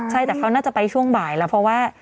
ใช่แต่เขาน่าจะไปช่วงบ่ายแล้วเพราะว่า